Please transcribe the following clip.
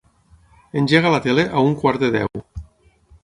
Engega la tele a un quart de deu.